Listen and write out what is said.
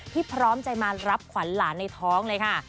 พร้อมใจมารับขวัญหลานในท้องเลยค่ะ